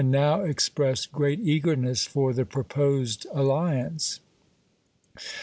now expressed great eagerness for the proposed al liance.